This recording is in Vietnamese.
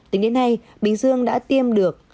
tính đến nay bình dương đã tiêm được